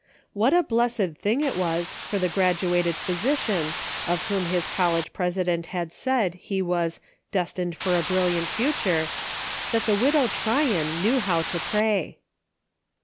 What a blessed thing it was for the graduated physician of whom his college president had said he was " des tined for a brilliant future," that the Widow Tryon knew how to pray